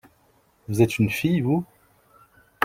Vous êtes une fille-vous ?